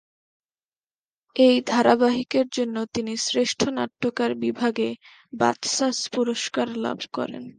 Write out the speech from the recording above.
এই ধারাবাহিকের জন্য তিনি শ্রেষ্ঠ নাট্যকার বিভাগে বাচসাস পুরস্কার লাভ করেন।